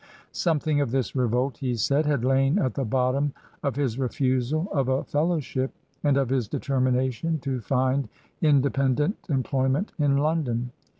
Something of this revolt, he said, had lain at the bottom of his refusal of a fellowship, and of his determination to find independent employment in Lon don.